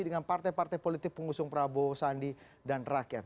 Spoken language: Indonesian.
dengan partai partai politik pengusung prabowo sandi dan rakyat